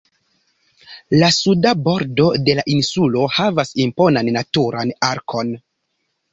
La suda bordo de la insulo havas imponan naturan arkon.